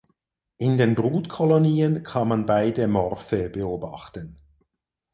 In den Brutkolonien kann man beide Morphe beobachten.